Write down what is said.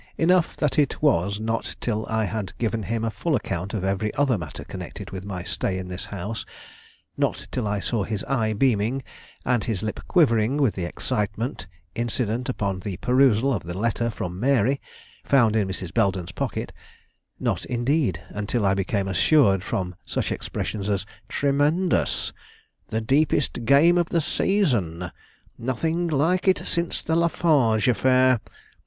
Enough that it was not till I had given him a full account of every other matter connected with my stay in this house; not till I saw his eye beaming, and his lip quivering with the excitement incident upon the perusal of the letter from Mary, found in Mrs. Belden's pocket; not, indeed, until I became assured from such expressions as "Tremendous! The deepest game of the season! Nothing like it since the Lafarge affair!"